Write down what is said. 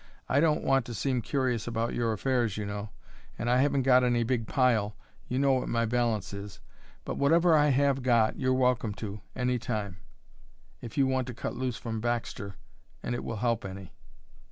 I don't want to seem curious about your affairs, you know, and I haven't got any big pile you know what my balance is; but whatever I have got you're welcome to, any time, if you want to cut loose from Baxter and it will help any."